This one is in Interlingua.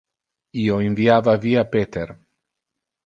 Io inviava via Peter.